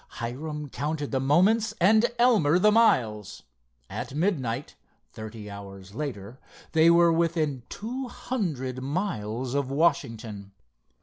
Hiram counted the moments and Elmer the miles. At midnight, thirty hours later, they were within two hundred miles of Washington.